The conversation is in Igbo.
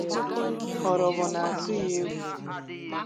Ọrọbọ na-atụ ya égwù